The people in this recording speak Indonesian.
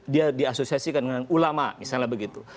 dia di asosiasikan dengan ulama misalnya begitu